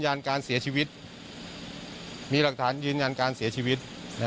ได้ครับได้ครับเพราะมีหลักฐานยืนยันการเสียชีวิต